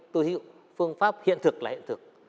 tôi hiểu phương pháp hiện thực là hiện thực